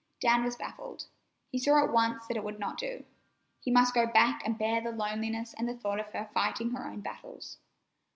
Dan was baffled. He saw at once that it would not do. He must go back and bear the loneliness and the thought of her fighting her own battles.